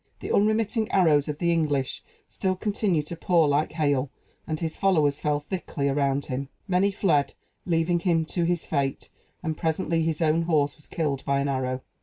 The unremitting arrows of the English still continued to pour like hail; and his followers fell thickly around him. Many fled, leaving him to his fate; and presently his own horse was killed by an arrow.